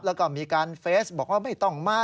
แล้วก็มีการเฟสบอกว่าไม่ต้องมา